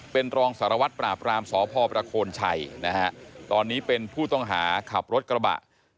เป็นรองสารวัตรปราบรามสพประโคนชัยนะฮะตอนนี้เป็นผู้ต้องหาขับรถกระบะ